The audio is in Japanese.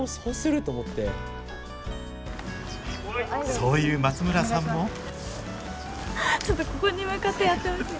そういう松村さんもちょっとここに向かってやってほしい。